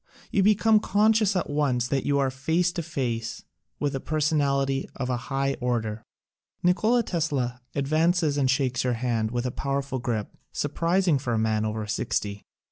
You be come conscious at once that you are face to face with a personality of a high order. Nikola Tesla advances and shakes your hand with a powerful grip, surprising for a man over sixty.